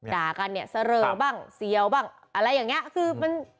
ด่ากันเนี่ยเสรอบ้างเสียวบ้างอะไรอย่างเงี้ยคือมัน